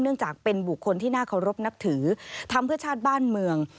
จากเป็นบุคคลที่น่าเคารพนับถือทำเพื่อชาติบ้านเมือง